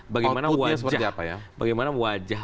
bagaimana wajah bagaimana wajah